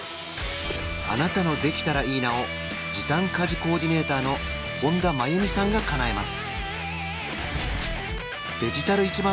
あなたの「できたらいいな」を時短家事コーディネーターの本多真弓さんがかなえます